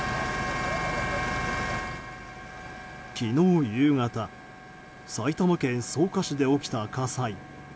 昨日夕方埼玉県草加市で起きた火災。